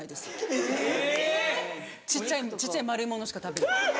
えぇ⁉小っちゃい丸いものしか食べない。